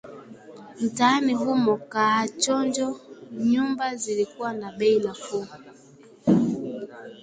Mtaani humo Kaachonjo, nyumba zilikuwa za bei nafuu